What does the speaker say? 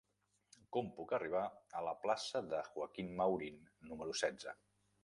Com puc arribar a la plaça de Joaquín Maurín número setze?